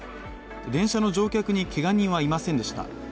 電車の乗客にけが人はいませんでした。